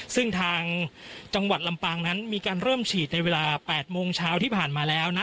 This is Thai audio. ซึ่งทางจังหวัดลำปางนั้นมีการเริ่มฉีดในเวลา๘โมงเช้าที่ผ่านมาแล้วนะ